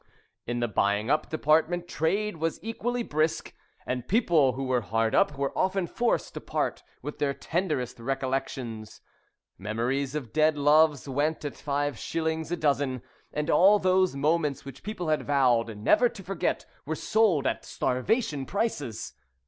[Illustration: "THEY OFTEN BROUGHT SOLICITORS WITH THEM."] In the buying up department trade was equally brisk, and people who were hard up were often forced to part with their tenderest recollections. Memories of dead loves went at five shillings a dozen, and all those moments which people had vowed never to forget were sold at starvation prices.